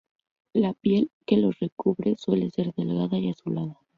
La piel que los recubre suele ser delgada y azulada.